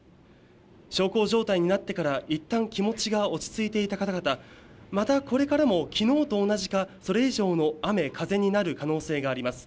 小康状態になってからいったん気持ちが落ち着いていた方々、またこれからもきのうと同じかそれ以上の雨風になる可能性があります。